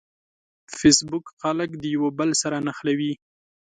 فېسبوک خلک د یوه بل سره نښلوي.